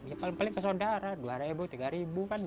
ya paling paling ke saudara dua ribu tiga ribu kan